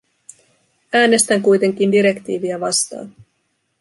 Äänestän kuitenkin direktiiviä vastaan.